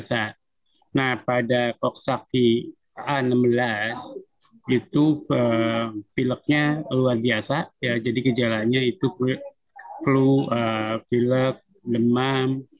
seperti demam tinggi kelelahan dan nyeri persendian